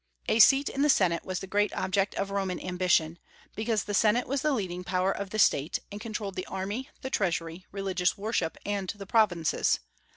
A seat in the Senate was the great object of Roman ambition; because the Senate was the leading power of the State, and controlled the army, the treasury, religious worship, and the provinces.